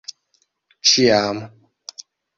ĉiam